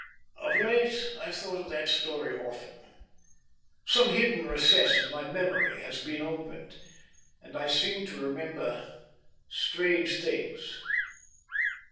"Of late I've thought of that story often. Some hidden recess of my memory has been opened, and I seem to remember strange things.